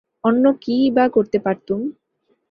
অন্য কীই বা করতে পারতুম।